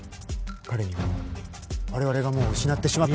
彼には我々がもう失ってしまったものを。